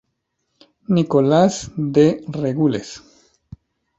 Nicolás De Regules.